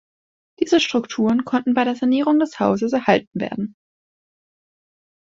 Diese Strukturen konnten bei der Sanierung des Hauses erhalten werden.